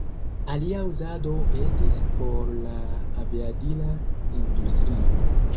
Alia uzado estis por la aviadila industrio.